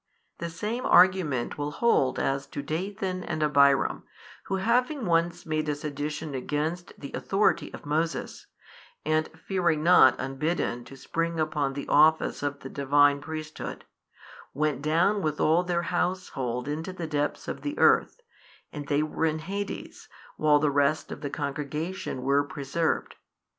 The same argument will hold as to Dathan and Abiram, who having once made a sedition against the authority of Moses, and fearing not unbidden to spring upon the office of the Divine priesthood, went down with all their household into the depths of the earth; and they were in Hades, while the rest of the congregation were preserved.